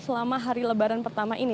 selama hari lebaran pertama ini